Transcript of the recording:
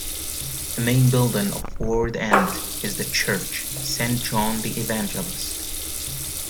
A main building of Ford End is the church "Saint John the Evangelist".